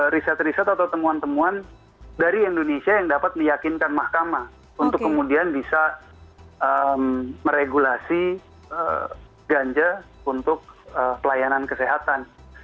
riset riset atau temuan temuan dari indonesia yang dapat meyakinkan mahkamah untuk kemudian bisa meregulasi ganja untuk pelayanan kesehatan